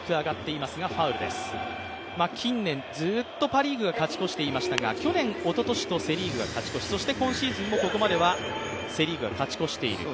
近年ずっとパ・リーグが勝ち越していましたが、去年、おととしとセ・リーグが勝ち越し、そして今シーズンもここまではセ・リーグが勝ち越している。